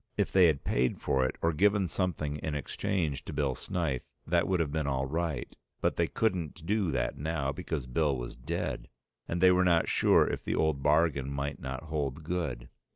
If they had paid for it or given something in exchange to Bill Snyth that would have been all right, but they couldn't do that now because Bill was dead, and they were not sure if the old bargain might not hold good.